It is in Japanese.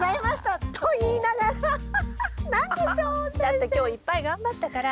だって今日いっぱい頑張ったから。